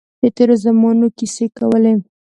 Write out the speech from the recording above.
د تېرو زمانو کیسې کولې.